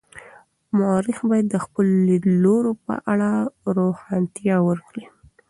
مورخ باید د خپلو لیدلورو په اړه روښانتیا ورکړي.